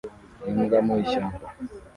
Imbwa mu ishyamba